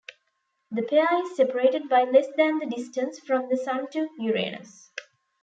The pair is separated by less than the distance from the Sun to Uranus.